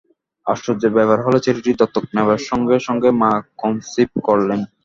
আশ্চর্যের ব্যাপার হল, ছেলেটি দত্তক নেবার সঙ্গে-সঙ্গেই মা কনসিভ করলেন।